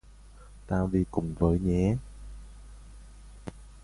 Tao đi cùng với nhé